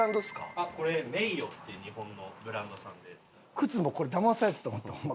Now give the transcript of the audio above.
靴もこれだまされたと思ってホンマ